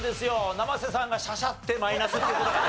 生瀬さんがしゃしゃってマイナスっていう事がね。